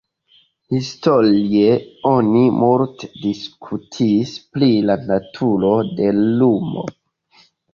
Historie oni multe diskutis pri la naturo de lumo.